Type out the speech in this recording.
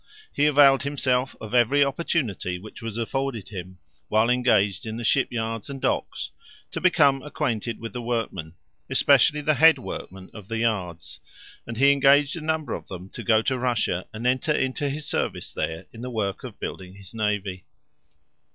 He availed himself of every opportunity which was afforded him, while engaged in the ship yards and docks, to become acquainted with the workmen, especially the head workmen of the yards, and he engaged a number of them to go to Russia, and enter into his service there in the work of building his navy.